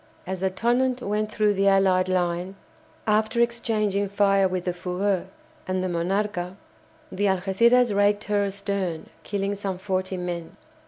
As the "Tonnant" went through the allied line, after exchanging fire with the "Fougueux" and the "Monarca," the "Algéciras" raked her astern, killing some forty men.